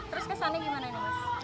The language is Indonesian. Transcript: terus kesannya gimana ini mas